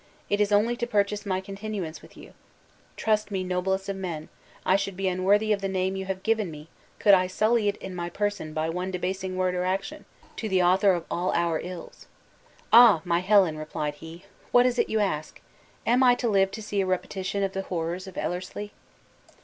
It is only to purchase my continuance with you. Trust me, noblest of men; I should be unworthy of the name you have given me could I sully it in my person by one debasing word or action to the author of all our ills!" "Ah! my Helen," replied he, "what is it you ask? Am I to live to see a repetition of the horrors of Ellerslie?"